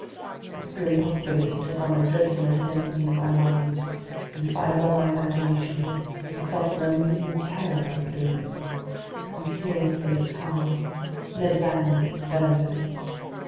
This grim possibility took on a dreadful intensity in my mind, and fired by my imagination, I felt an unreasoning terror run through me. Conseil stayed calm. Ned Land bellowed.